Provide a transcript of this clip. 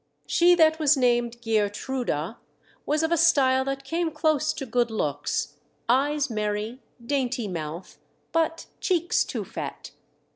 She that was named Geertruida was of a style that came close to good looks, eyes merry, dainty mouth, but cheeks too fat.